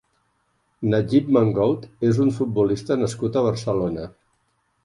Nadjib Mengoud és un futbolista nascut a Barcelona.